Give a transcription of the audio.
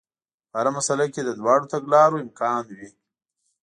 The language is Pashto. په هره مسئله کې د دواړو تګلارو امکان وي.